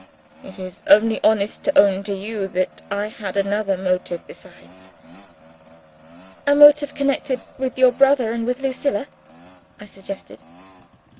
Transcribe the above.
It is only honest to own to you that I had another motive besides." "A motive connected with your brother and with Lucilla?" I suggested.